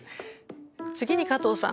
次に加藤さん